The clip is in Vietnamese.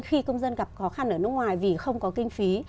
khi công dân gặp khó khăn ở nước ngoài vì không có kinh phí